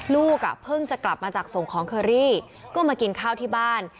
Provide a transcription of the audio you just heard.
ลูกอ่ะเพิ่งจะกลับมาจากส่งของเคอรี่ก็มากินข้าวที่บ้าน